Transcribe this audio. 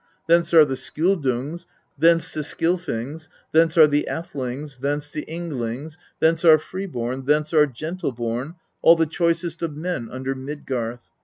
20. Thence are the Skjoldungs, thence the Skilfings, thence are the Athlings, thence the Ynglings, thence are freeborn, thence are gentleborn, all the choicest of men under Midgarth.